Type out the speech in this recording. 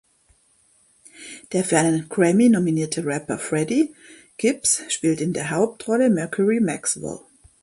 Der für einen Grammy nominierte Rapper Freddie Gibbs spielt in der Hauptrolle Mercury Maxwell.